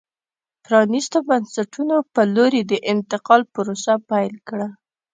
پرانیستو بنسټونو په لور یې د انتقال پروسه پیل کړه.